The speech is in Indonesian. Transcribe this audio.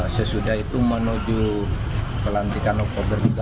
sesudah itu menuju pelantikan hukum